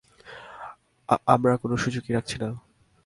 আমরা কোন সুযোগই রাখছিনা।